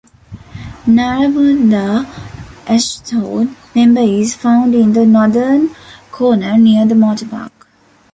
Narrabundah Ashstone Member is found in the northern corner near the motor park.